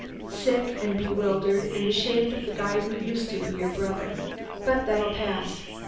Sick and bewildered and ashamed of the guy who used to be your brother. But that'll pass.